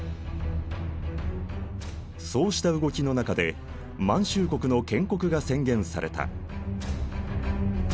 そうした動きの中で満洲国の建国が宣言された。